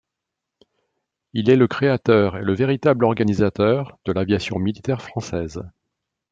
Il est le créateur et le véritable organisateur de l'aviation militaire française.